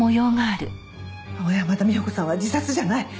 小山田美穂子さんは自殺じゃない。